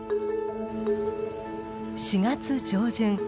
４月上旬。